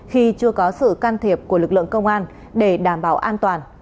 khi chưa có sự can thiệp của lực lượng công an để đảm bảo an toàn